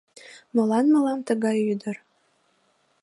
Молан мылам тыгай ӱдыр...